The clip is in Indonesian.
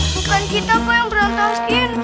bukan kita kok yang berantasin